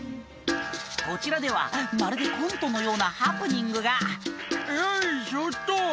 こちらではまるでコントのようなハプニングが「よいしょっと」